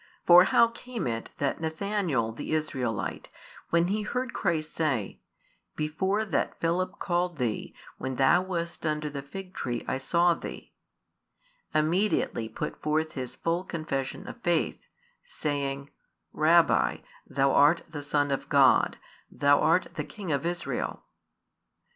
For how came it that Nathaniel the Israelite, when he heard Christ say: Before that Philip called thee, when thou wast under the fig tree, I saw thee, immediately put forth his full confession of faith, saying: Rabbi, Thou art the Son of God, |248 Thou art the King of Israel?